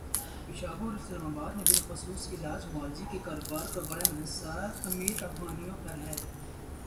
پشاور اور اسلام آباد میں بالخصوص علاج معالجے کے کاروبارکا بڑا انحصارامیر افغانوں پر ہے۔